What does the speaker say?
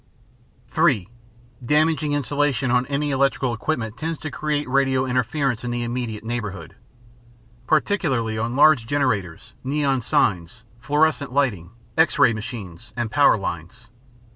(3) Damaging insulation on any electrical equipment tends to create radio interference in the immediate neighborhood, particularly on large generators, neon signs, fluorescent lighting, X ray machines, and power lines.